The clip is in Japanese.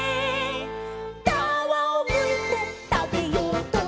「かわをむいてたべようと」